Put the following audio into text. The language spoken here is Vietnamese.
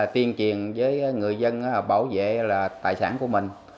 tiên triền với người dân bảo vệ tài sản của mình